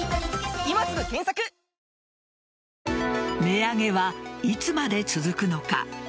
値上げはいつまで続くのか。